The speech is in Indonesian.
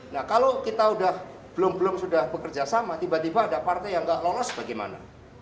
nah kalau kita belum belum sudah bekerja sama tiba tiba ada partai yang nggak lolos bagaimana